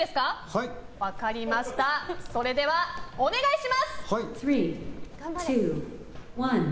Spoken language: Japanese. それではお願いします！